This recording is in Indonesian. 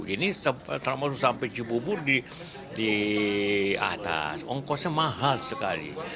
ini sampai cipubur di atas ongkosnya mahal sekali